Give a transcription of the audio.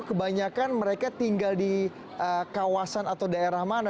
kebanyakan mereka tinggal di kawasan atau daerah mana